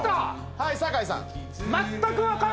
はい酒井さん。